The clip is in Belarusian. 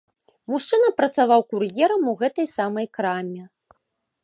Мужчына працаваў кур'ерам у гэтай самай краме.